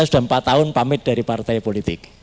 sudah empat tahun pamit dari partai politik